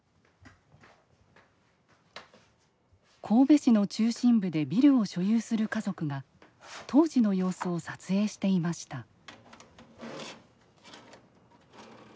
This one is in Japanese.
神戸市の中心部でビルを所有する家族が当時の様子を撮影していました。